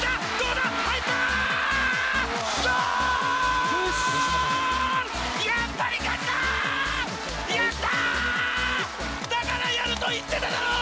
だから、やるといってただろう！